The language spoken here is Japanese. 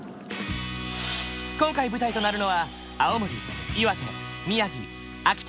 今回舞台となるのは青森岩手宮城秋田